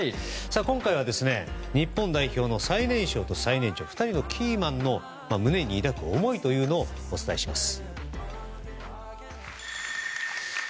今回は、日本代表の最年少と最年長２人のキーマンの胸に抱く思いというのをお伝えします。